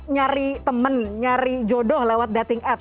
nyari temen nyari jodoh lewat dating app